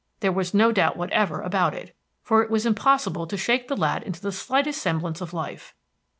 There was no doubt whatever about it, for it was impossible to shake the lad into the slightest semblance of life.